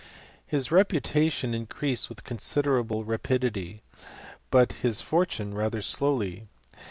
His reputation increased with considerable rapidity ; but his fortune rather slowly.